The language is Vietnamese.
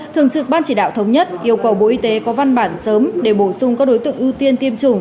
thường trực ban chỉ đạo thống nhất yêu cầu bộ y tế có văn bản sớm để bổ sung các đối tượng ưu tiên tiêm chủng